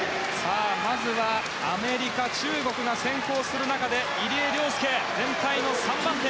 まずはアメリカ、中国が先行する中で入江陵介、全体の３番手。